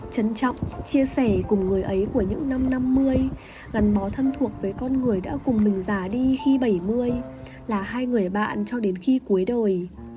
trân trọng chia sẻ cùng người ấy của những năm năm mươi gắn bó thân thuộc với con người đã cùng mình già đi khi bảy mươi là hai người bạn cho đến khi cuối đời